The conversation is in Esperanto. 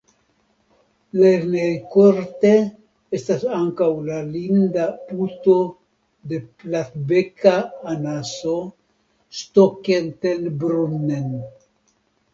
Lernejkorte estas ankaŭ la linda Puto de platbeka anaso (Stockentenbrunnen).